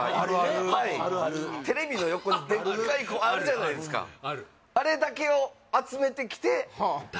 いテレビの横にデッカいあるあるじゃないですかあるあれだけを集めてきてはあ